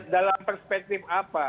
dalam perspektif apa